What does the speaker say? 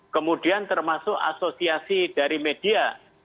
kemudian termasuk asosiasi dari media